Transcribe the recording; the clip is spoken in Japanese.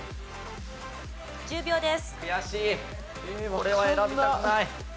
これは選びたくない。